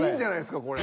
これ。